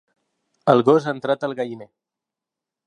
El gos ha entrat al galliner.